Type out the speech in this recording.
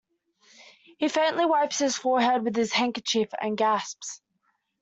He faintly wipes his forehead with his handkerchief and gasps.